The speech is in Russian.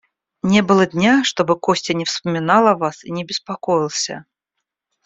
Не было дня, чтобы Костя не вспоминал о вас и не беспокоился.